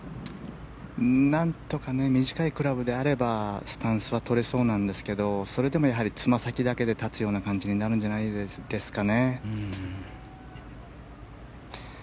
なんとか短いクラブであればスタンスは取れそうなんですがそれでもやはりつま先だけで立つような感じになるんじゃないですか。